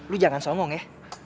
lo jangan somong ya